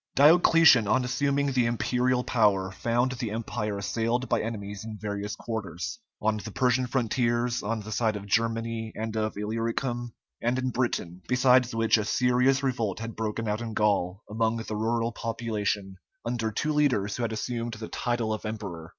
Diocletian, on assuming the imperial power, found the Empire assailed by enemies in various quarters on the Persian frontiers, on the side of Germany and of Illyricum, and in Britain; besides which a serious revolt had broken out in Gaul among the rural population, under two leaders who had assumed the title of emperor.